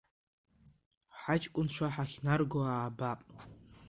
Ҳаҷкәынцәа ҳахьнарго аабап.